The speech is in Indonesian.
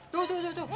tuh tuh tuh